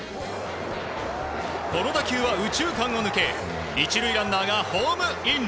この打球は右中間を抜け１塁ランナーがホームイン。